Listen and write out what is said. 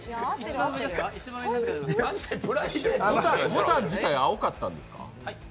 ボタン自体、青かったんですか？